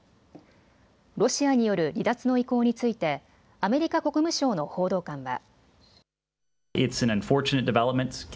ロシアによる離脱の意向についてアメリカ国務省の報道官は。